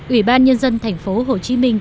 ủy ban nhân dân tp hcm